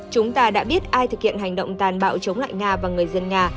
chúng ta đã biết ai thực hiện hành động tàn bạo chống lại nga và người dân nga